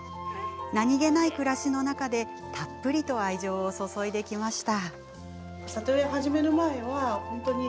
何気ない暮らしの中でたっぷりと愛情を注いできました。